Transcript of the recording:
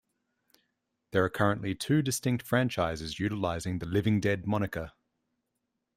There are currently two distinct franchises utilizing the "Living Dead" moniker.